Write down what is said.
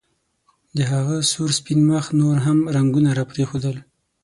د هغه سور سپین مخ نور هم رنګونه راپرېښودل